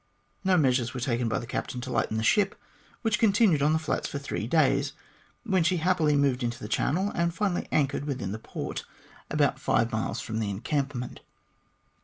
No measures were taken by the captain to lighten the ship, which continued on the flats for three days, when happily she moved into the channel, and finally anchored within the port about five miles from the encampment.